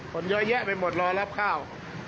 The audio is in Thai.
คนเยาะเยอะไปหมดแล้วรับข้าว